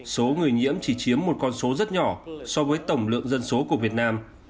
số người nhiễm chỉ chiếm một con số rất nhỏ so với tổng lượng dân số của việt nam